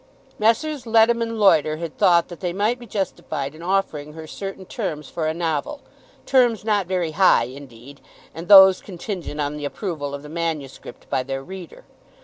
Messrs. Leadham and Loiter had thought that they might be justified in offering her certain terms for a novel, terms not very high indeed, and those contingent on the approval of the manuscript by their reader.